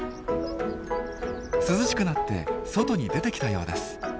涼しくなって外に出てきたようです。